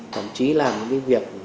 thậm chí là cái việc